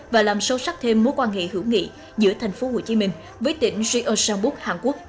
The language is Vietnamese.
và làm sâu sắc thêm mối quan hệ hữu nghị giữa tp hcm với tỉnh jeosanbuk hàn quốc